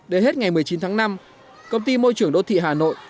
đến hết ngày một mươi chín tháng năm công ty môi trường đô thị hà nội